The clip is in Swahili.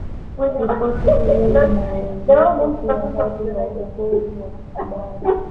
Ripoti hiyo imeorodhesha pia hali ya uhuru wa habari